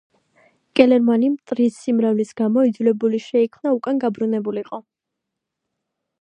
კელერმანი, მტრის სიმრავლის გამო, იძულებული შეიქმნა უკან გაბრუნებულიყო.